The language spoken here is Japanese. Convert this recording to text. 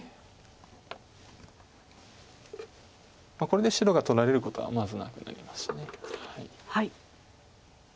これで白が取られることはまずなくなりました。